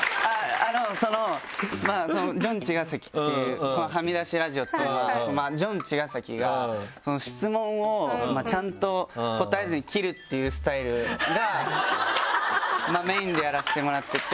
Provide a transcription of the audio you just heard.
そのジョン茅ヶ崎っていうこの「はみだしラジオ」っていうのはジョン茅ヶ崎が質問をちゃんと答えずに切るっていうスタイルがメインでやらせてもらってて。